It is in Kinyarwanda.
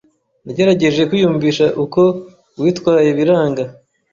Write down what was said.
Nagerageje kwiyumvisha uko witwaye biranga